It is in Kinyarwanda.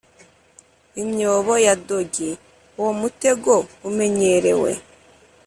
imyobo ya dodgy, uwo mutego umenyerewe.